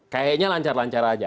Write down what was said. kayaknya lancar lancar saja